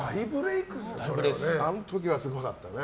あの時はすごかったね。